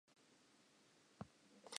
Re rata ho tjheka mekoti le ho matha.